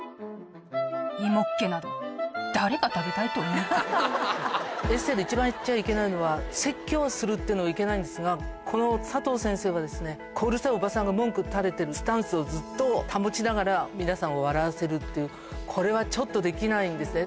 イモッケなど、エッセーで一番言っちゃいけないのは、説教するっていうのがいけないんですが、この佐藤先生は、こうるせえおばさんが文句たれてるスタンスをずっと保ちながら、皆さんを笑わせるっていう、これはちょっとできないんですね。